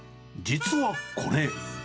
実はこれ。